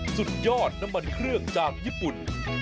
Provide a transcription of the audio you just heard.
สุดยอดน้ำมันเครื่องจากญี่ปุ่น